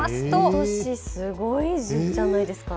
ことし、すごいじゃないですか。